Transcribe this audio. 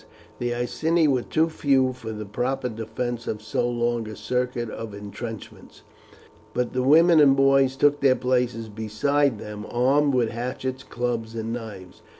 The Iceni were too few for the proper defence of so long a circuit of intrenchments, but the women and boys took their places beside them armed with hatchets, clubs, and knives.